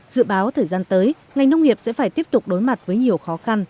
dự báo thời gian tới ngành nông nghiệp sẽ phải tiếp tục đối mặt với nhiều khó khăn